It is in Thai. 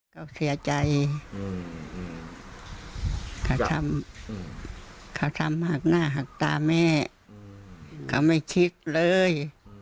เขาเสียใจเขาทำหักหน้าหักตาแม่เขาไม่คิดเลย